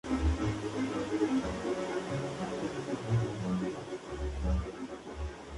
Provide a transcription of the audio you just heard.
Christian es miembro del "Norwegian National Theatre".